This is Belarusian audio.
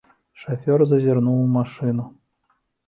Шафёр зазірнуў у машыну.